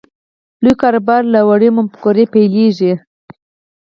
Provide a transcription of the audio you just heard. لوی کاروبار له وړې مفکورې پیلېږي